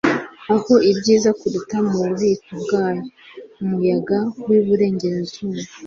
aho, byiza kuruta mu bubiko bwayo , umuyaga wiburengerazuba